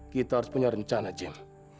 kita harus punya rencana jim